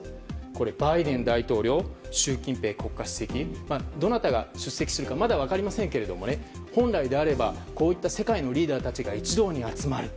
バイデン大統領、習近平国家主席どなたが出席するかまだ分かりませんけれども本来であればこういった世界のリーダーたちが一堂に集まる。